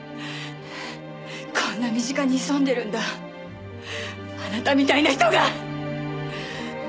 こんな身近に潜んでるんだあなたみたいな人が！